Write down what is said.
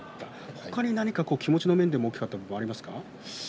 他に何か気持ちの面で大きかったものはありますか。